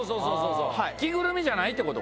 着ぐるみじゃないってこと？